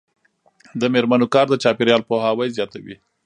د میرمنو کار د چاپیریال پوهاوی زیاتوي.